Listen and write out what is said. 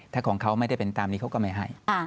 ถ้าของเขาไม่ได้เป็นตามนี้เขาก็ไม่ให้